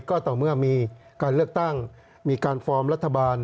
ก็ต่อเมื่อมีการเลือกตั้งมีการฟอร์มรัฐบาล